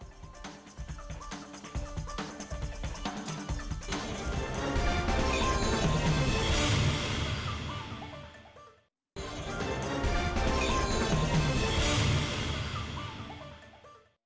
kepala daerah kembali